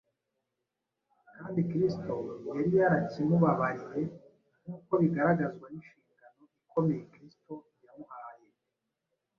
kandi Kristo yari yarakimubabariye nk’uko bigaragazwa n’inshingano ikomeye Kristo yamuhaye